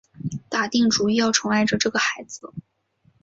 打定主意要宠爱着这个孩子